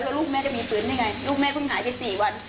แล้วลูกแม่จะมีปืนอะไรไงลูกแม่พึงหายไปสี่วัน